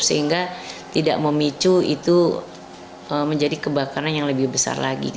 sehingga tidak memicu itu menjadi kebakaran yang lebih besar lagi